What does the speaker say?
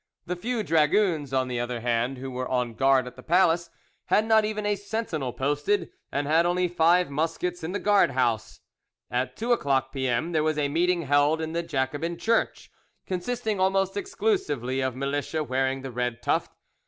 The few dragoons, on the other hand, who were on guard at the palace, had not even a sentinel posted, and had only five muskets in the guard house. At two o'clock P.M. there was a meeting held in the Jacobin church, consisting almost exclusively of militia wearing the red tuft.